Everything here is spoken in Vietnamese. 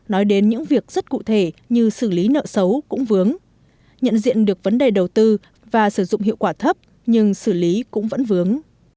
nói đến những việc rất cụ thể như xử lý nợ xấu cũng vướng nhận diện được vấn đề đầu tư và sử dụng hiệu quả thấp nhưng xử lý cũng vẫn vướng